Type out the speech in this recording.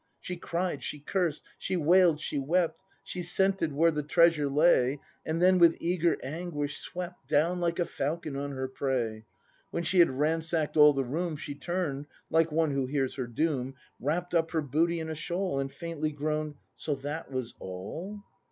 She cried, she cursed, she wail'd, she wept. She scented where the treasure lay. And then with eager anguish swept Down like a falcon on her prey. When she had ransacked all the room. She turn'd, like one who hears her doom, Wrapp'd up her booty in a shawl. And faintly groaned : So that was all